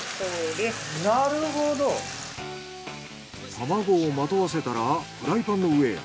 卵をまとわせたらフライパンの上へ。